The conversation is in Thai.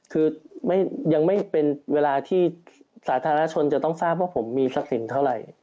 คือยังไม่เป็นเวลาที่สาธารณชนจะต้องทราบว่าผมมีทรัพย์สินเท่าไหร่